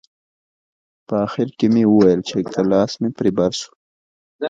په اخر کښې مې وويل چې که لاس مې پر بر سو.